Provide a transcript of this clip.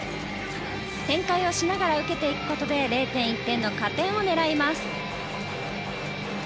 転回をしながら受けていくことで０．１点の加点を狙います。